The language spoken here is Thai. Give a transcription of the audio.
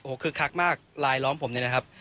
คือคึกคักมากลายล้อมผมเนี่ยนะครับ